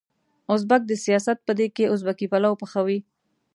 ازبک د سياست په دېګ کې ازبکي پلو پخوي.